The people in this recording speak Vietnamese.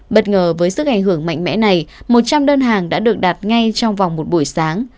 bất ngờ với sức ảnh hưởng mạnh mẽ này một trăm linh đơn hàng đã được đặt ngay trong vòng một buổi sáng